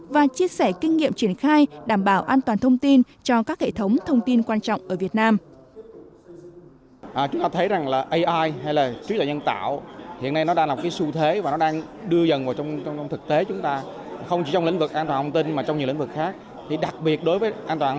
và chia sẻ kinh nghiệm triển khai đảm bảo an toàn thông tin cho các hệ thống thông tin quan trọng ở việt nam